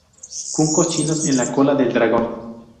Juncos Chinos en la cola del dragón.